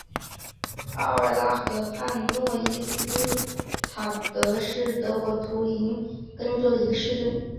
奥尔拉河畔诺伊斯塔特是德国图林根州的一个市镇。